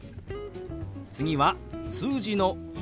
次は数字の「１」。